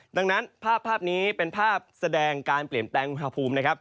ดังนั้นภาพนี้เป็นภาพแสดงการเปลี่ยนแปลงอุณหภูมินะครับ